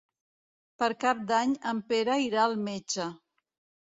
Per Cap d'Any en Pere irà al metge.